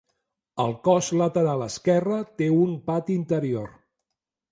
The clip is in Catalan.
El cos lateral esquerra té un pati interior.